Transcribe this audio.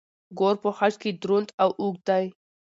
ګور په خج کې دروند او اوږد دی.